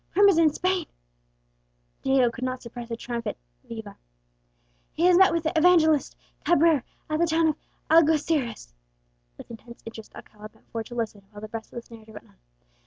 Prim is in Spain " Diego could not suppress a triumphant viva. "He has met with the evangelist Cabrera at the town of Algeciras " With intense interest Alcala bent forward to listen, while the breathless narrator went on.